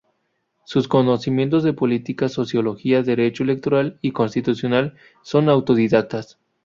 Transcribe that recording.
Sus conocimientos de política, sociología, derecho electoral y constitucional, son autodidactas.